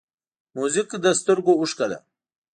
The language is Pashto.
موزیک د سترګو اوښکه ده.